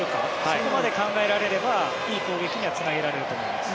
そこまで考えられればいい攻撃につなげられると思います。